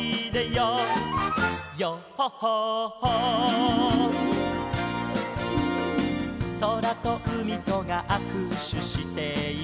「ヨッホッホッホー」「そらとうみとがあくしゅしている」